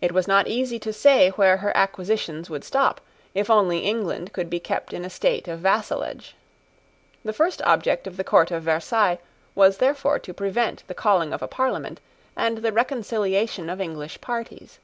It was not easy to say where her acquisitions would stop, if only England could be kept in a state of vassalage. The first object of the court of Versailles was therefore to prevent the calling of a Parliament and the reconciliation of English parties.